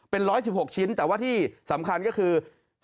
เป็น๑๑๖ชิ้นแต่ว่าที่สำคัญก็คือ